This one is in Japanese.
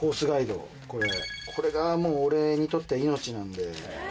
ガイドこれこれがもう俺にとっては命なんで。